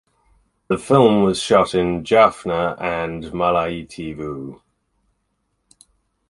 The film was shot in Jaffna and Mullaitivu.